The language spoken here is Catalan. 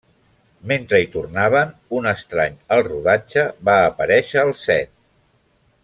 Mentre hi tornaven, un estrany al rodatge va aparèixer al set.